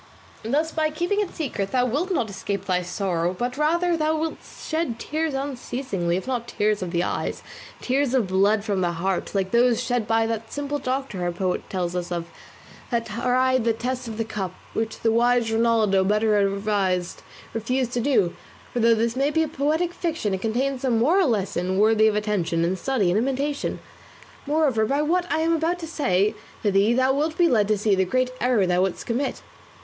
Thus by keeping it secret thou wilt not escape thy sorrow, but rather thou wilt shed tears unceasingly, if not tears of the eyes, tears of blood from the heart, like those shed by that simple doctor our poet tells us of, that tried the test of the cup, which the wise Rinaldo, better advised, refused to do; for though this may be a poetic fiction it contains a moral lesson worthy of attention and study and imitation. Moreover by what I am about to say to thee thou wilt be led to see the great error thou wouldst commit.